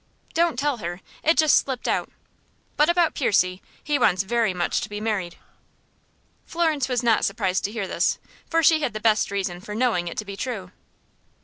"Don't tell her. It just slipped out. But about Percy he wants very much to be married." Florence was not surprised to hear this, for she had the best reason for knowing it to be true.